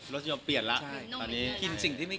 รสชนมเปลี่ยนแล้ว